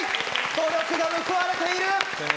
努力が報われている！